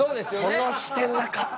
その視点なかったな。